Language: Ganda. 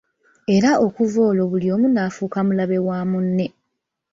Era okuva olwo buli omu n'afuuka mulabe wa mune!